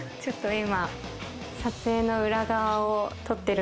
今」